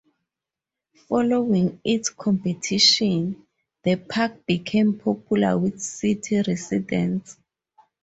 Following its completion, the park became popular with city residents.